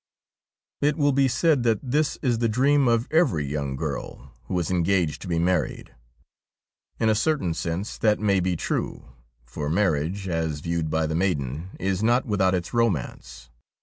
It will be said that this is the dream of every young girl who is engaged to be married. In a certain sense that may be true, for marriage, as viewed by the maiden, is not without its romance.